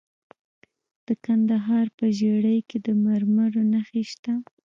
د کندهار په ژیړۍ کې د مرمرو نښې شته.